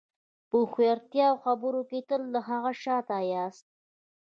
په هوښیارتیا او خبرو کې تل له هغه شاته یاست.